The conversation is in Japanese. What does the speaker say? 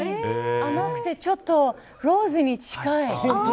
甘くて、ちょっとローズに近い。